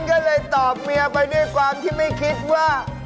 ก็เลยตอบเมียไปด้วยความที่ไม่คิดว่า